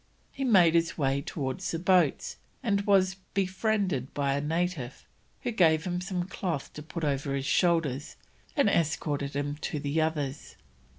He made his way towards the boats, and was befriended by a native, who gave him some cloth to put over his shoulders and escorted him to the others.